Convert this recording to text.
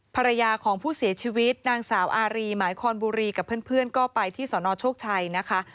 ภรรยาของผู้เสียชีวิตนางสาวอารีหมายคอนบุรีกับเพื่อนก็ไปที่สนโชคชัยนะคะ